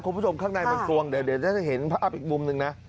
คุณผู้ชมทางในมันกวงโดยอย่างนั้นจะเห็นอัฟอาฟอีกบุมหนึ่งน่ะ